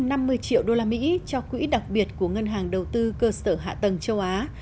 năm mươi triệu đô la mỹ cho quỹ đặc biệt của ngân hàng đầu tư cơ sở hạ tầng châu á